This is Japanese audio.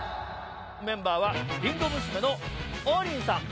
メンバーはりんご娘の王林さん。